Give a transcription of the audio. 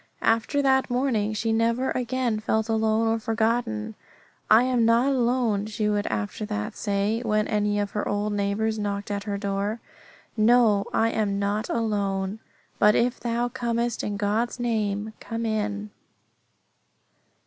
After that morning she never again felt alone or forgotten. I am not alone, she would after that say, when any of her old neighbours knocked at her door. No, I am not alone, but if thou comest in God's name, come in.